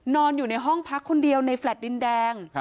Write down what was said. นอนอยู่ในห้องพักคนเดียวในแฟลต์ดินแดง